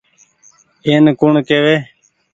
اين ڪوڻ ڪيوي۔